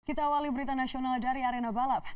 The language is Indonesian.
kita awali berita nasional dari arena balap